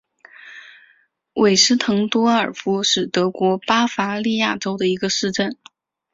韦斯滕多尔夫是德国巴伐利亚州的一个市镇。